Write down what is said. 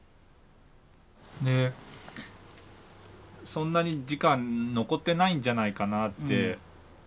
「そんなに時間残ってないんじゃないかな」って